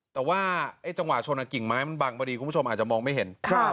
แต่ว่าไอ้จังหวะชนกิ่งไม้มันบังพอดีคุณผู้ชมอาจจะมองไม่เห็น